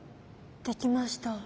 できました。